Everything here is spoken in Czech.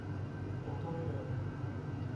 O to jde.